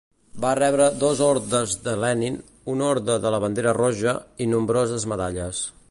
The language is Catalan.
Va rebre dos Ordes de Lenin, un Orde de la Bandera Roja i nombroses medalles.